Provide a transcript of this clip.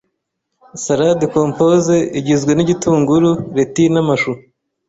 Salade Compose Igizwe n’igitunguru, Leti n’amashu,